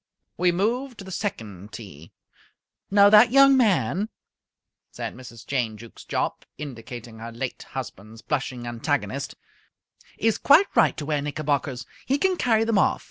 We moved to the second tee. "Now, that young man," said Mrs. Jane Jukes Jopp, indicating her late husband's blushing antagonist, "is quite right to wear knickerbockers. He can carry them off.